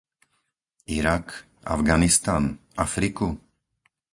Irak, Afganistan, Afriku...?